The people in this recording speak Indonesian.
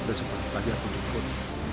dan sempat pagi aku ikut